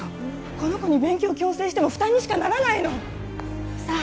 この子に勉強を強制しても負担にしかならないのさあ